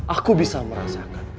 aku bisa merasakan